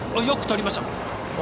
よくとりました。